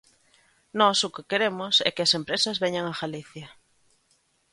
Nós o que queremos é que as empresas veñan a Galicia.